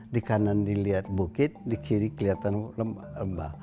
di kanan dilihat bukit di kiri kelihatan lembah